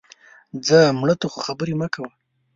ځه مړه، ته خو خبرې مه کوه